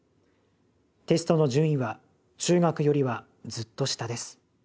テストの順位は中学よりはずっと下です。